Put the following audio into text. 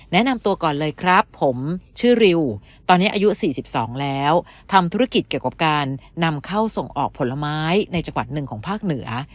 แนะนำตัวก่อนเลยครับผมชื่อริวตอนนี้อายุ๔๒แล้วทำธุรกิจเกี่ยวกับการนำเข้าส่งออกผลไม้ในจังหวัดหนึ่งของภาคเหนือ